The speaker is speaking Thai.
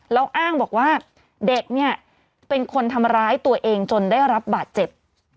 แล้วอ้างบอกว่าเด็กเนี่ยเป็นคนทำร้ายตัวเองจนได้รับบาดเจ็บ